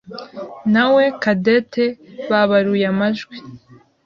nawe Cadette babaruye amajwi.